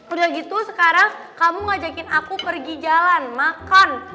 udah gitu sekarang kamu ngajakin aku pergi jalan makan